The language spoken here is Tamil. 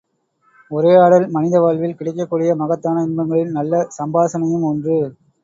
உரையாடல் மனித வாழ்வில் கிடைக்கக்கூடிய மகத்தான இன்பங்களில் நல்ல சம்பாஷணையும் ஒன்று.